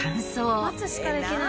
待つしかできない。